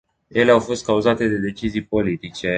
Ele au fost cauzate de deciziile politice.